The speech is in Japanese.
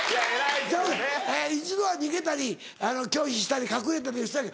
ちゃうねん一度は逃げたり拒否したり隠れたりしたり。